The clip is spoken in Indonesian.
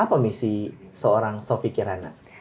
apa misi seorang sofi kirana